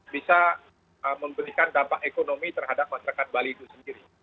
bisa memberikan dampak ekonomi terhadap masyarakat bali itu sendiri